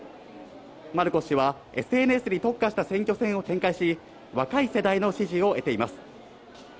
マルコス氏は、ＳＮＳに特化した選挙戦を展開し、若い世代の支持を得ています。